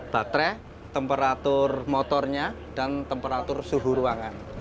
baterai temperatur motornya dan temperatur suhu ruangan